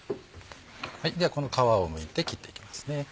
ではこの皮をむいて切っていきますね。